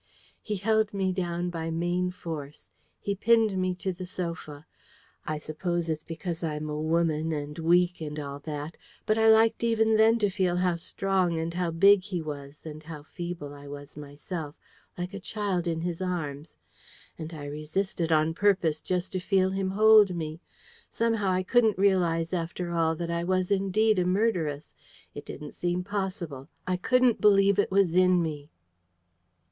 He held me down by main force. He pinned me to the sofa. I suppose it's because I'm a woman, and weak, and all that but I liked even then to feel how strong and how big he was, and how feeble I was myself, like a child in his arms. And I resisted on purpose, just to feel him hold me. Somehow, I couldn't realize, after all, that I was indeed a murderess. It didn't seem possible. I couldn't believe it was in me.